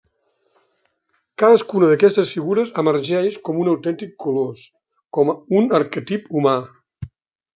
Cadascuna d'aquestes figures emergeix com un autèntic colós, com un arquetip humà.